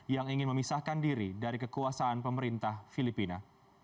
yang ingin memisahkan diri dari kekuasaan pemerintah filipina